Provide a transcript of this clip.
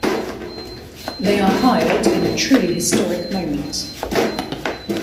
They are hired, in a truly historic moment.